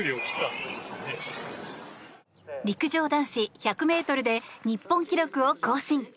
陸上男子１００ｍで日本記録を更新。